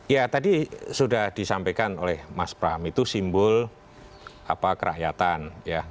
ya tadi sudah disampaikan oleh mas pram itu simbol kerakyatan